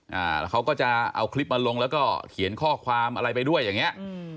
อ่าแล้วเขาก็จะเอาคลิปมาลงแล้วก็เขียนข้อความอะไรไปด้วยอย่างเงี้อืม